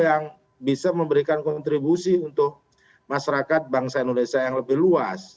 yang bisa memberikan kontribusi untuk masyarakat bangsa indonesia yang lebih luas